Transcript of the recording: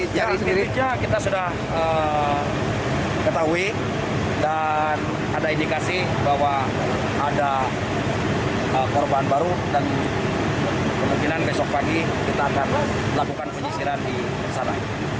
sendiri kita sudah ketahui dan ada indikasi bahwa ada korban baru dan kemungkinan besok pagi kita akan lakukan penyisiran di sana